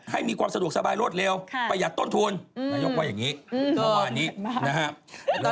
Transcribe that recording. ให้มีความสะดวกสบายรถเร็วประหยัดต้นทุนนายกว่ายังงี้นะฮะ